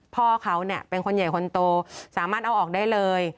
พ่อเขาเนี่ยเป็นคนใหญ่คนโตสามารถเอาออกได้เลย